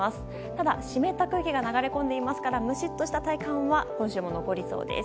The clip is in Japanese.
ただ、湿った空気が流れ込んでいますからムシッとした体感は今週も残りそうです。